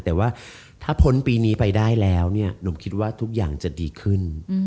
แต่ว่าถ้าพ้นปีนี้ไปได้แล้วเนี่ยหนุ่มคิดว่าทุกอย่างจะดีขึ้น